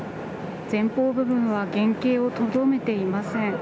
前方部分は原形をとどめていません。